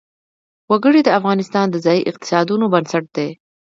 وګړي د افغانستان د ځایي اقتصادونو بنسټ دی.